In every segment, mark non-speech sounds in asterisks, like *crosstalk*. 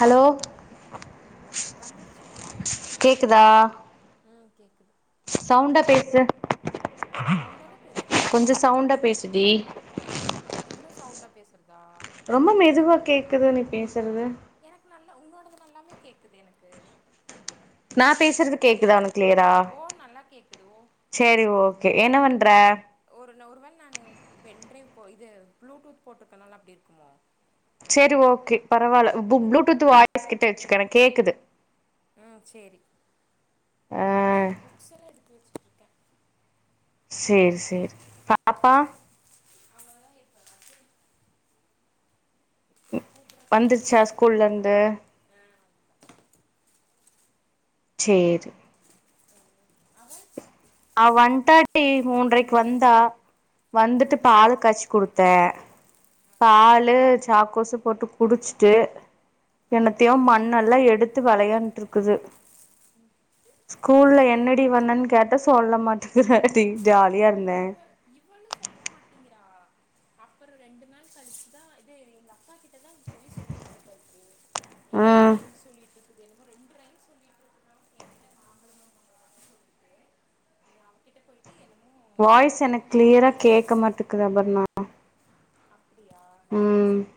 hello வந்துருச்சுடி கேக்குதா ம் கேக்குது சவுண்டு கே ச *unintelligible* சவுண்ட தான் பேசறன் நல்லா கேக்குதுல பேசுடி இன்னும் சவுண்டா பேசுறதா ரொம்ப மெதுவா கேக்குது நீ பேச இப்ப நல்ல உன்னோடது நல்லாமே கேக்குது எனக்கு நான் பேசுறது கேக்குதா உனக்கு கிளியரா ஓ நல்லா கேக்குது ஓ சேரி ஓகே எஏன்ன வந் வேற ஒரு ஒரு வேல நானு பென்டிரைவ் போ இது ப்ளூடூத் போட்டிருக்கனால அப்டி இருக்குமோ செரி ஓகே பரவாயில்ல பு ப்ளூடூத் வாயிஸ் கிட்ட வச்சுக்கா எனக்குகேக்குது உஹம் செரி ஆ அதான் அந்த புக்ஸ் எல்லாம் எடுத்து வச்ச செரி செரி பாப்பா அவங்கதா இப்ப ஹ கூப்பிடறக்கு வந்துருச்சா ஸ்கூல்ல இருந்து சேரி அவ அவ வண்டாடி மூன்றரைக்கு வந்தா வந்துட்டு பால காய்ச்சு குடுத்தேன் பாலு சாக்கோசு போட்டு குடிச்சுட்டு என்னத்தையும் மண்னெல்லாம் எடுத்து வெளையாண்டுட்டு இருக்குது ஸ்கூல்ல என்னடி பண்ணன்னு கேட்ட சொல்ல மாட்டே ஆ ஜாலியா இருந்தேன் இவ அப்புறம் ரெண்டு நாள் கழிச்சுதான் இது எங்க அப்பா கிட் நா போய் சொல்லிட்டு இருப்பா என்னம ம் ரைம்ஸ் சொல்லிட்டு இரு என ரெண்டு ரைம்ஸ் சொல்லிட்டு இருக்க என்கிட்ட வாங்கும் சொல்லேன் அவகிட்டய வாய்ஸ் எனக்கு கிளியரா கேட்க்க மாட்டேக்குது அபர்ணா அப்டியா ஒரு ம் நிமிஷம் இரு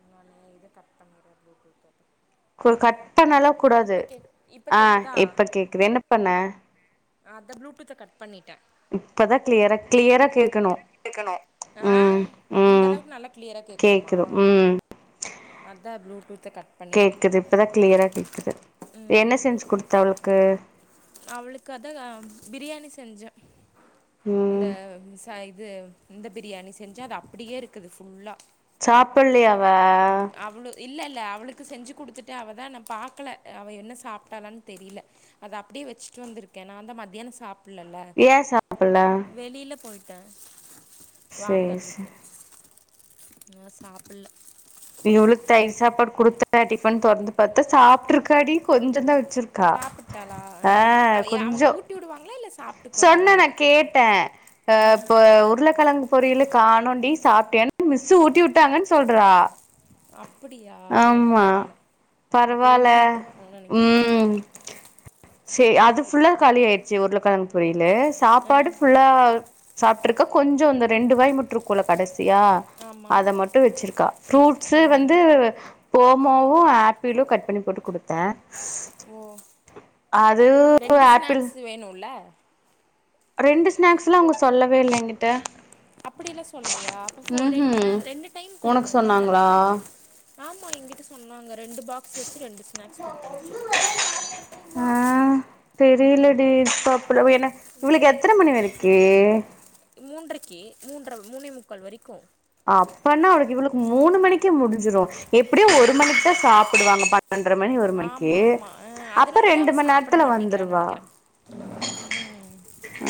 இன்னொன்னே இது கட் பண்ணிட்றேன் ப்ளூ டூத் அ கட் பண்ணலா கூடாது கேக் இப்ப ஆஹ கேக்குதா இப்ப கேக்குது என்ன பண்ண அத ப்ளூடூத்த கட்பண்ணிடேன் இப்பதான் கிளியரா கிளியரா கே கேட்கணும் ஆஹ இந்த ம் அளவுக்கு நல்ல கிளியரா கேட்கணுமா கேக்குது ம் அதான் ப்ளூ கேக்குது இப்பதான் கிளியரா கேக்குது என்ன செஞ்சு குடுத்த அவளுக்கு அவளுக்கு அத பிரியாணி செஞ்சேன் அந்த ம் ச இது இந்த பிரியாணி செஞ்சா அது அப்படியே இருக்குது ஃபுல்லா சாப்பல்லையா வ இல்ல இல்ல அவளுக்கு செஞ்சு குடுத்துட்ட அவதா நா பாக்கல அவ என்ன சாப்டாலான் தெரியில அத அப்டியே வெச்சுட்டு வந்துருக்க நாந்தா மத்தியான சாப் புல்லல்ல ஏ சாப்புட்ல வெளியில போயிட் ட சேரி சேரி வாங்கறதுக்கு அதனால சாப்புல்ல இ்வ்ளோ தயிர் சாப்பாடு குடுத்த டிஃபன் தொறந்து பாத்தா சாப்புட்ருக்காடி கொஞ்சந்தா வெச்சுருக்கா சாப்பிட்டாளா ஆ அ அவ ஏ- அவங்க கொஞ்சோ ஊட்டி விடுவாங்களா இல்லை சாப்பிட்டுக்குவாளா சொன்ன அவளே நா கேட்ட அ ஆ ப்போ உருளக்கெழங்கு பொரியில காணோண்டி சாப்புட்டியான் மிஸ்சு ஊட்டியுட்டாங்கன் சொல்றா அப்புடியா வோ ஆமா பரவால அப்ப பரவால்ல ஊட்டி வுட்டுருப்பாங்க நொனைக்கிற அ ம் சேரி அது ஃபுல்லா காலி ஆயிருச்சு உருளக்கெழங்கு பொரியிலு ஆ சாப்பாடு ஆ ஃபுல்லா சாப்புட்டுருக்கா கொஞ்சோ இந்த ரெண்டு வாய் முட்டுருக்குள்ள கடஸ் த்தியா ஆமாம் அத மட்டு வெச்சிருக்கா ஃப்ரூட் இத்து ம் வந்து போ மாவு ஏப்பிளு கட் பண்ணி போட்டு குடுத்த ஓ அது ரெண்டு ஏப்பிள் ஸ்நாக்ஸ் வேணுல்ல ரெண்டு ஸ்நேக்ஸ்லா அவுங்க சொல்லவே இல்ல எங்கிட்ட அப்படில்ல சொல்லயா அப்ப போ ரெண்டுனா ம்ஹூம் ரெண்டு டைம் உனக்கு குடுக்குணுல்ல சொன்னாங்களா ஆமா எங்கிட்ட சொன்னாங்க ரெண்டு பாக்ஸ் வெச்சு ரெண்டு ஸ்நேக்ஸ் குடுத்து அனுப்புச்சுட்டுக்கங்க ஆ தெரில ம் டி ப்புளுவ என்ன இவளுக்கு எத்தன மணி வரிக்கு மூன்றைக்கு மூன்ற மூனே முக்கால் வரைக்கு அப்பனா அவளுக்கு இவளுக்கு மூணு மணிக்கே முடிஞ்சுரு எப்டியு ஒரு அப்படி மணிக்குதா சாப்புடுவாங்க பன்னென்ர மணி ஒரு மணிக்கு ஆமா ஆமா ஆ அப்ப அதனால தா ரெண்டு அவ மண் சாப்பிட நேரத்துல மாட்டேங்கிறான்னு வந்துருவா நெனைக்கிறே ம்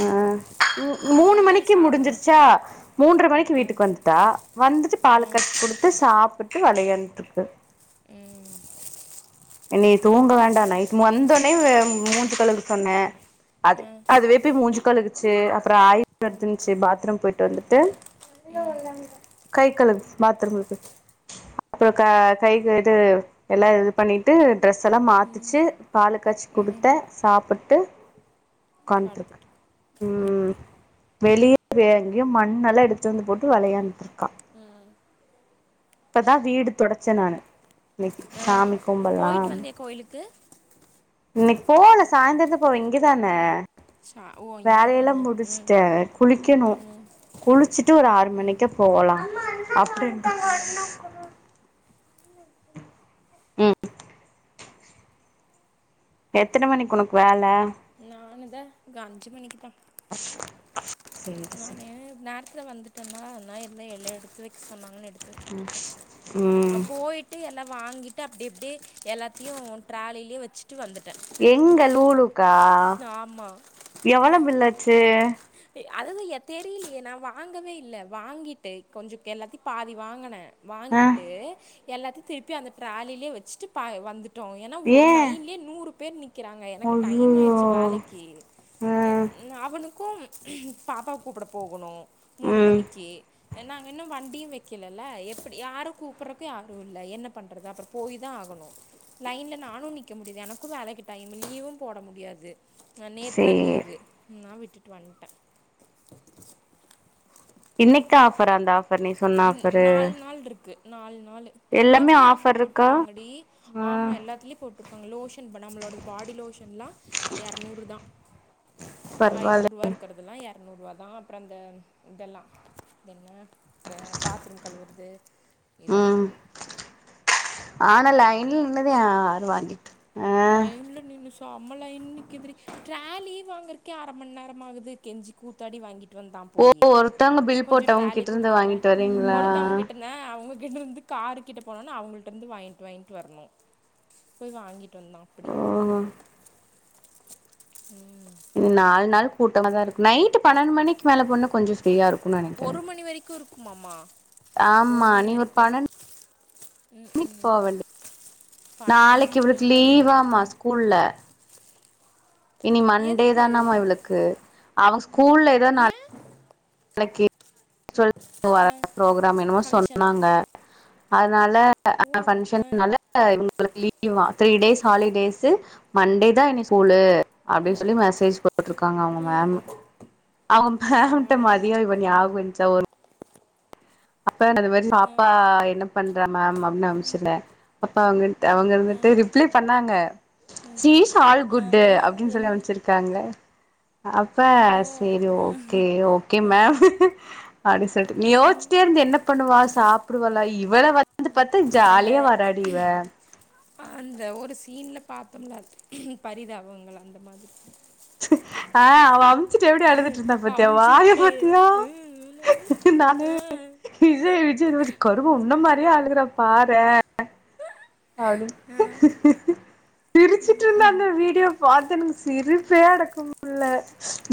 அ ம் ம் மூணு அதனால தா அவ மணிக்கு சாப்பிட முடிஞ்சுருச்சா மாட்டேங்கிறா மூன்ற மணிக்கு ஆ வீட்டுக்கு வந்து ஆ வந்துட்டு பால ஆ காச்சி குடுத்து சாப் சாப்புட்டு வெளையாண்ட் இட்ருக்கோ ம் இனி தூங்க வேண்டா நைட் வந்தோனே மூஞ்சு கழுவ சொன்ன அது அதுவே போய் மூஞ்சுக்கலுகுது செ அப் அப்புறோ ஆய் வருதுன்சு பாத்ரூம் போயிட் ட்டு வந்துட்டு கைக் கழுவு பாத்ரூமுக்கு அப்புறோ கைக்கு இது எல்லா இது பண்ணிட்டு ட்ரெஸ் எல்லா மாத்துச்சு பாலு காய்ச்சி குடுத்த சாப்புட்டு கோயம்தூர்க்கு படுத்துட்டு ம் வெளிய வேரங்கயு மண் எல்லா எடுத்துட்டு வந்து போட்டு வெளையாண்டுட் இருக்கா இப்பதா வீடு தொடச்சே நானு இன்னைக்கி ஆ சாமி கும்பல்லா போயிட்டு வந்தியா கோயிலுக்கு க்கு இன்னைக் போல சாயந்தரந்தா போவ இங்கதான சா ஓ இங்க வேலையெல்லா தானா ம் முடிஷ்ட்டே குளிக்கணு குளிச்சுட்டு ஒரு ஆறு மணிக்கா போவலா டெண்டிஸ் ம் எத்தன மணிக்கு உனக்கு வேல நானுதா இங்க அஞ்சு மணிக்குதா சேரி சேரி நானு நேர த்துல வந்துட்டன்னா அதனால எதுமே வெளியே எடுத்து வைக் சொன்னாங்கன்னு எடுத்து வச்சுட்ருக்கே நா ம் போயிட்டு எல்லா வாங்கிட்டு அப்டி அப்டியே எல்லாத்தையு டிராலிலயே வச்சுட்டு வந்துட்டே எங்க லூலூக் கா ஆமாம் எவ்ளோ பில்லாச்சு அது து ஏ தெரியலையே நான் வாங்கவே இல்லை வாங்கிட்டு கொஞ்ச எல்லாத்தையும் பாதி வாங்குனேன் ஆ வாங்கிட்டு எல்லாத்தையும் திருப்பி அந்த டிராலிலேயே வச்சிட்டு வந்துட் ஏன்னா ஏ ஒரு லைன்லயே நூறு பென்னி இருக்கிறாங்க எனக்கு டைம் அய்யய்யோ ஆயிடுச்சு வேலைக்கு ஆ அவனு கும் பாப்பா வ கூப்பிட போகணும் மூணு ம் மணிக்கு நாங்கள் இன்னும் வண்டியும் வைக்கலல எப்படி யாரும் கூப்பிடறக்கு யாரும் இல்லை என்ன பண்ணுறது அப்புறம் போய் தான் ஆகணும் லைனில் நானும் நிற்க முடியுது எனக்கும் வேலைக்கு டைம் லீவும் போட முடியாது நான் நேத்து தான் சேரி லீவ்வு நான் விட்டு வண் இன்னைக்கு தான் ஆஃப்ரா அந்த ஆப் நீ சொன்ன இன் ஆப்பரு நாள் இருக்கு நாலு நாலு எல்லாத்துலயும் ஆஃபர்ரு போட்ருக்காங்க டி ஆ ஆமா எல்லாத்துலயும் போட்ருக்காங்க லோஷன் நம்மளோட பாடி லோஷன்லாம் இறனூரு தான் பரவால்ல ஐந்நூறா இருக்குறது இறனூரு எநூறுபா தா அப்ற இந்த இதெல்லா என்ன பாத்ரூம் கழுவுறது ம் இதெல்லாமே ஆனா லைன்ல நின்னுதான் யாரு வாங்கிட்டு ஆ வயலுல நீன்னுச் செம்ம லைன் நிக்குது டி ட்ராலி வாங்கறக்கே அரை மணி நேம் ஆகுது கெஞ்சி கூத்தாடி வாங்கிட்டு வந்தான் ஓ போய் ஒருத்தவங்க பில் கொஞ்சம் போட்டவங்க ட்ராலி கிட்ட இருந்து கொடுங்க ட வாங்கிட்டு வரீங்களா ஒருத்தவனா கிட்ட அவங்க இங்கிட்ட இருந்து கார் கிட்ட போனோனா அவுங்களிடருந்து வாங்கிட்டு வாங்கிட்டு வரணும் போய் வாங்கிட்டு ருன்னா அப்டி ஓ உம் இது நாலு நாள் கூட்டமாக தா இருக்கு நைட் பன்னெண்டு மணிக்கு மேல போண்ணா கொஞ்ச ஃபிரியா இருக்கும்னு நெனைக்கிறேன் ம ம்மா ஆமா நீ ஒரு பன்னெண்டுக்கு போவேண்டிய பன்னெண்டு நாளைக்கு மணிக்கு நீ இவளுக்கு போ லீவமா உக்காந்து ஸ்கூல்ல இனி மண்டே எதுக்கு தானானாம இவளுக்கு அவ ஸ்கூ ஸ்கூல்ல ஏதோ நாலு ஏ இன்னைக்கு வேர ஆ புரோகிராம் என்னமோ ஃபங்க்ஷனா சொன்னாங்க னால ஓ ஆ ஃபங்ஷனால இவங்களுக்கு லீவ் வா த்ரீ டேஸ் ஹாலிடேஸ் மண்டே தான் இன்னைக்கு ஸ்கூலு அப்படினு சொல்லி மெசேஜ் போட்டிருக்காங்க அவுங்க ஆ மேம் அவுங்க மேம் க்குங் பரவாயில்லயே மதியம் ஆ *unintelligible* அது மாதிரி ஆ பாப்பா என்ன பண்ற மேம் அப்டினு அனுப்சிருந்தேன் அப்பா ஆ அவங்கந்துட்டு ரிப்ளை பண்ணாங்க சீஇஸ் ஆல் ஆ குட் ஆ அப்டினு சொல்லி என்ன அனுப்சிருக்காங்க அப்ப ஓ செரி ஆ ஓகே ஓகே ஆ மேம் அது செரி நீ யோசிச்சிட்டே இருந்து என்ன பண்ணுவா சாப் இப்புடி வல்லாய் க்கு அந்த இவ அந்த ஒரு சீன்ல பாத்தோம்லா பரிதாபங்கள் அந்த மாதிரி ஆஹ் அவ எப்பிடி அழுதுட்டு இருந்தா பாத்தியா வாய அம்ச்சுட்டு பாத்தியா என்னது நானே ஆ விஜய் விஜய் கரும உன்ன மாரியே அழுகுறா பாரே அடுச்ச சிரிச்சுட்டு இருந்த அந்த வீடியோ பாத்துநமனுங் சிருப்பே அடக்கமுல்ல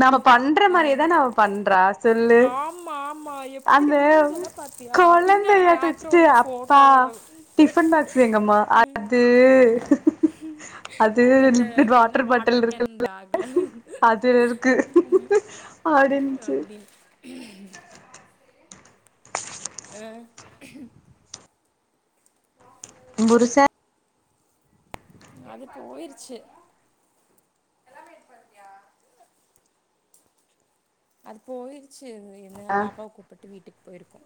நாம பண்ற மாரியேதான அவ பண்றா சொல்லு ஆமா ஆமா எப்படி அந்த மூஞ்செல்லா பாத்தியா பின்னாடி குழந்தாட்ட வச்சுட்டு பேக்ரவுண்ட்ல அப்பா ஃபோட்டோவோட ப டிபன்பாக்ஸ் து எங்கம்மா அது அது அந்த என்ன வாட்டர் பாட்டில் இருக்கு கேன் பேக்ல அது இருக்கு ஆடிஞ்சு அப்டின்னு ம் உம்புருஸே அது போயிருச்சு அது போயிருச் து என்ன பாப்பாவ கூப்புட்டு வீட்டுக் போயிருக்கோ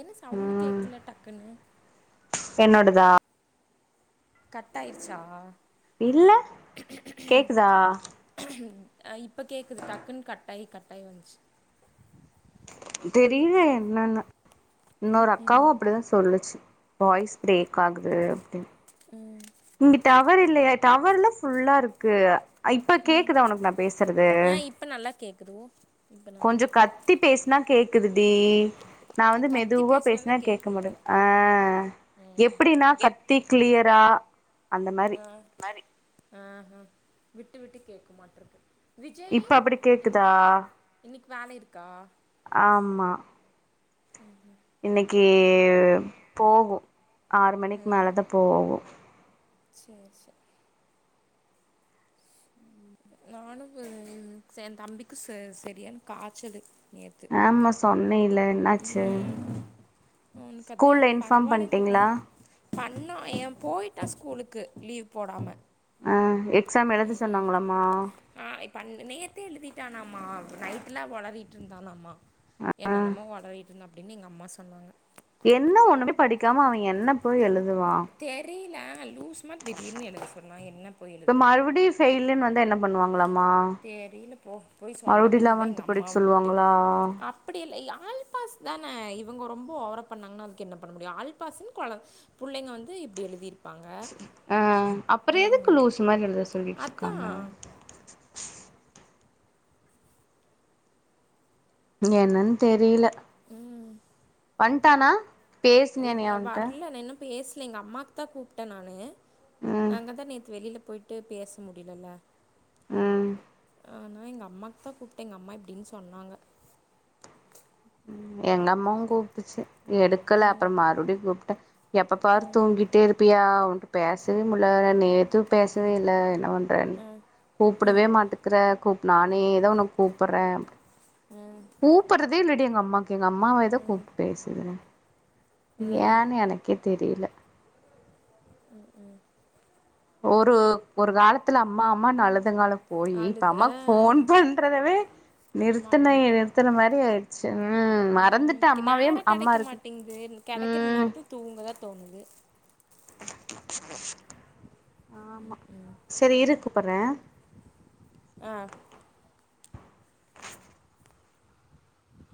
என்ன சவுண்டு் ம் கேக்கல டக்குன்னு என்னோடதா கட்டாயிச்சா இல்ல கேக்குதா அ இப்போ கேட்குது டக்குன்னு கட்டாயி கட்டாயி வந்துச்சு தெரில என்னனு இன்னொரு அக்காவு அப்டிதா சொல்லுச் வாய்ஸ் பிரேக் ஆகுது அப்டின் இங்க டவர் இல்லைய டவர்ல்லா ஃபுல்லா இருக்கு இப்ப கேக்குதா ஒனக்கு நா பேசுறது ஆ இப்போ நல்லா கேட்குது ஓ இப்போ நல்லா கொஞ்சோ கே கத்தி பேச் நா கேக்குது தீ நா வந்து கத்தி மெதுவா பேசினா பேசின தான் கேட்க கேட்கும் போல் மட்டுது எப்படினா கத்தி க்ளியர் தா ம் மாரி ம் ம் விட்டு விட்டு கேட்க மாட்டுருக்கு இப்ப அப்டி கேக்குதா வேலருக்கா ஆம்மா ம் இன்னைக்கு போகு ஆறு மணிக்கு மேலதா போவோ சேரி சேரி நானு எ தம்பிக்கு ச செரியான காய்ச்சலு ஆமா சொன்னே இல என்னாச்சு அவனுக்கு ஸ்கூல்ல இன்பார்ம் பண்ணிட்டீங்ளா பண்ணா இவ் போயிட்டான் ஸ்கூலுக்கு லீவ் போடாம ஆ எ எக்ஸாம் எழுது சொன்னாங்களாமா ண் நேர்த்தே எழுதிட்டானாமா நைட்லா ஒளறிட்டு இருந்தானாமா ஆ என்ன நமொ ஒளறிட் இருந்த அப்படின்னு எங்க அம்மா சொன்னாங்க என்ன உண்ணுமே படிக்காம அவன் என்ன போய் எழுத அதுவா ஏங் லூஸ்மாரி திடீர்னு எழுத சொன்னா என்ன போய் இப்ப எழுதுவாங்க மறுபடியு ஃபெயிலுன்னு வந்தா என்ன பண்ணுவாங்களாமா தெரியல போ போய் சொல்ல மறுபடியு வேண்டியதான் எங்க லெவன்த் அம்மா படிக்க விட்டு சொல்லுவாங்களா அப்படி இல்ல ஆல்பாஸ் தானே இவங்க ரொம்ப ஓவர பண்ணாங்கன்னா அதுக்கு என்ன பண்ண முடியும் ஆல்பாஸ்ன்னு குழந்த புள்ளைங்க வந்து இப்படி எழுதியிருக்கு ஆஹ அப்ரோ எதுக்கு லூசு மாதிரி எத சொல்லிட்டுருக்காங்க அதான் என்னன்னு தெரில உம் வன்டானா பேசுனியா நீ அவன்ட்ட வரல நான் இன்னும் பேசல எங்க அம்மாவுக்கு தான் கூப்பிட்டேன் நானு ம் நாங்க தான் நேத்து வெளில போயிட்டு பேச முடிலல்ல ஆஹ் ஆனா எங்க அம்மாக்கு தான் கூப்பிட்டேன் எங்க அம்மா இப்டின்னு சொன்னாங்க எங்க அம்மாவும் கூப்பிடுச்சு எடுக்கல அப்புறம் மறுபடிம் கூப்பிட்டேன் எப்ப பாரு தூங்கிட்டே இருப்பியா பேசவே முல்ல நேத்து பேசவே இல்ல ன பண்றன் கூப்புடவே மாட்டுக்கிற கூப் நானேதா உன்ன கூப்புர்றே அப்டி கூப்புறதே இல்ல அம்மாக்கு எங்க அம்மாவை ஏதோ கூப்பிட்டு பேசுறேன் ஏன்னு எனக்கே தெரியல ம் ம் ஒரு ஒரு காலத்துல அம்மா அம்மா னுஅழுதுங்காலும் போயி இப்ப அழுத அம்மாக்கு போன் பண்றதவே நிறுத்தன மறந்துட்டேன் நிறுத்துற மாதிரி ஆயிடுச்சு உம் ம் மறந்துட்டேன் ம் அம்மாவே நேரம் அம்மா கெடைக்க இருக்கு மாட்டேங்குது கெடைக்கிற உம் நேரத்துல தூங்க தான் தோணுது ஆமா சேரி இரு கூப்பறேன் ஆஹ்